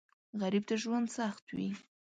غریب ته ژوند سخت وي